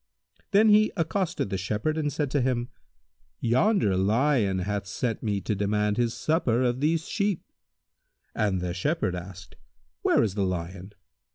Then he accosted the Shepherd and said to him, "Yonder lion hath sent me to demand his supper of these sheep." The Shepherd asked, "Where is the lion?"